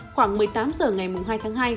khoảng một mươi tám h ngày hai tháng hai